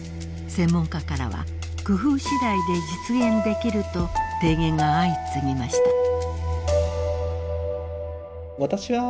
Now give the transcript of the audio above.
専門家からは工夫次第で実現できると提言が相次ぎました。